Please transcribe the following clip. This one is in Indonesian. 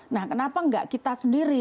nah kenapa enggak kita sendiri